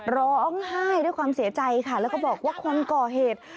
ร้องไห้ด้วยความเสียใจค่ะแล้วก็บอกว่าคนก่อเหตุ